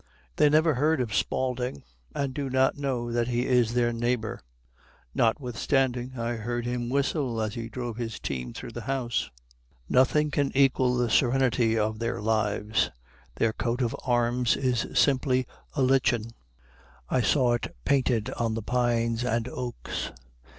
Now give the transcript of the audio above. They never heard of Spaulding, and do not know that he is their neighbor, notwithstanding I heard him whistle as he drove his team through the house. Nothing can equal the serenity of their lives. Their coat of arms is simply a lichen. I saw it painted on the pines and oaks.